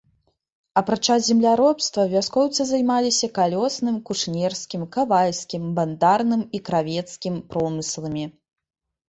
Апрача земляробства вяскоўцы займаліся калёсным, кушнерскім, кавальскім, бандарным і кравецкім промысламі.